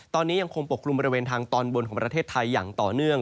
ตอนนี้ยังคงปกลุ่มบริเวณทางตอนบนของประเทศไทยอย่างต่อเนื่อง